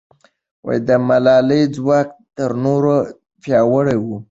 د ملالۍ ځواک تر نورو پیاوړی و.